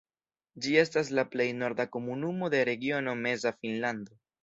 Ĝi estas la plej norda komunumo de regiono Meza Finnlando.